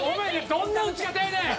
どんな打ち方やねん！